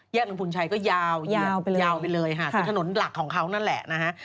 แยกลำพูนชัยก็ยาวยาวไปเลยสู่ถนนหลักของเขานั่นแหละนะฮะ